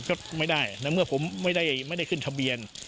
ก็ไม่ได้ในเมื่อผมไม่ได้ขึ้นทะเบียน